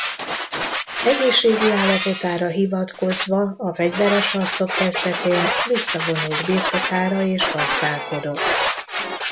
Egészségi állapotára hivatkozva a fegyveres harcok kezdetén visszavonult birtokára és gazdálkodott.